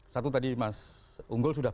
satu tadi mas unggul sudah